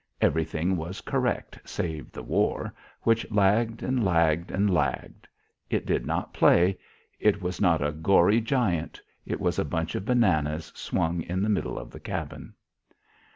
Everything was correct save the war, which lagged and lagged and lagged. It did not play; it was not a gory giant; it was a bunch of bananas swung in the middle of the cabin.